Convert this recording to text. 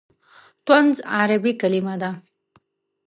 طنز عربي کلمه ده.